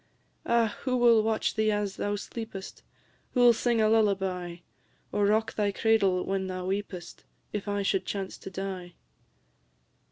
"Ah! who will watch thee as thou sleep'st? Who 'll sing a lullaby, Or rock thy cradle when thou weep'st, If I should chance to die?"